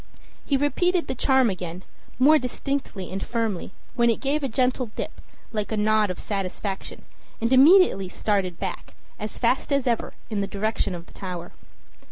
He repeated the charm again, more distinctly and firmly, when it gave a gentle dip, like a nod of satisfaction, and immediately started back, as fast as ever, in the direction of the tower.